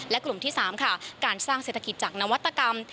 และกลุ่มที่๓ค่ะการสร้างเศรษฐกิจจากนวัตกรรม